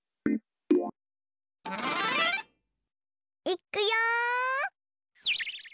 いっくよ！